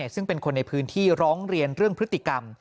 ซึ่งเป็นคนในพื้นที่ร้องเรียนเรื่องพฤติกรรม